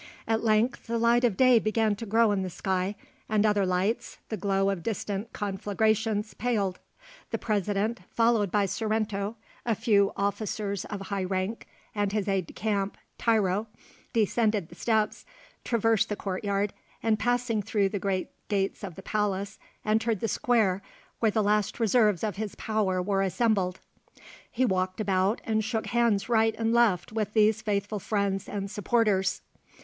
At length the light of day began to grow in the sky, and other lights, the glow of distant conflagrations, paled. The President, followed by Sorrento, a few officers of high rank, and his aide de camp Tiro, descended the steps, traversed the courtyard and passing through the great gates of the palace, entered the square where the last reserves of his power were assembled. He walked about and shook hands right and left with these faithful friends and supporters.